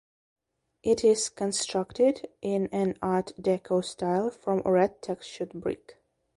It is constructed in an Art Deco style from red textured brick.